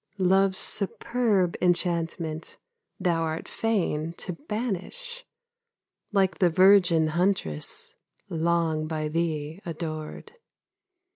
Love's superb enchantment Thou art fain to banish, Like the virgin Huntress Long by thee adored.